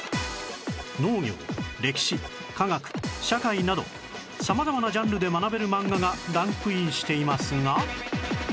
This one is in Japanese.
農業歴史科学社会など様々なジャンルで学べる漫画がランクインしていますが